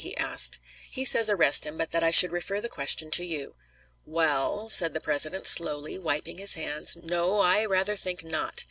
he asked. "He says arrest him, but that I should refer the question to you." "Well," said the President slowly, wiping his hands, "no, I rather think not.